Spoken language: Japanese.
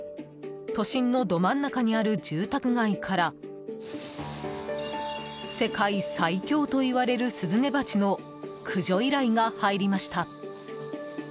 都心のど真ん中にある住宅街から世界最凶といわれるスズメバチの駆除依頼が入りました。